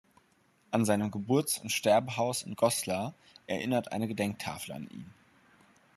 An seinem Geburts- und Sterbehaus in Goslar erinnert eine Gedenktafel an ihn.